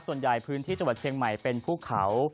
ส่วนใหญ่พื้นที่จังหวัดเชียงใหม่เป็นภูเขา